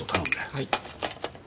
はい。